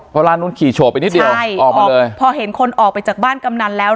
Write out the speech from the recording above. เพราะร้านนู้นขี่โชว์ไปนิดเดียวใช่ออกไปเลยพอเห็นคนออกไปจากบ้านกำนันแล้ว